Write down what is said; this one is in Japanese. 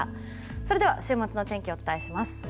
それでは週末のお天気をお伝えします。